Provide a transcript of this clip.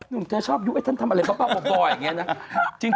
นุ่มเธอชอบยู่ไอ้ท่านทำอะไรเบาบ่อยนะ